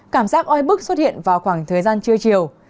cảm giác oi bức xuất hiện vào khoảng thời gian trưa chiều